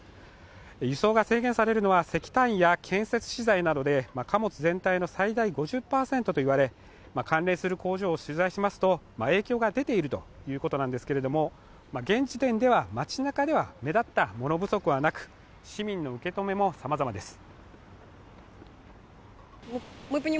輸送が制限されるのは石炭や建設資材などで貨物全体の最大５０％といわれ関連する工場を取材しますと影響が出ているということなんですけれども現時点では街なかでは目立った物不足はなく市民の受け止めもさまざまです。